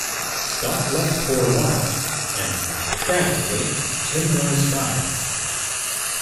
Scott left for a while, and, tragically, Tim Morris died.